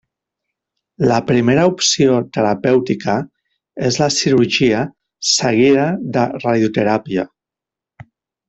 La primera opció terapèutica és la cirurgia seguida de radioteràpia.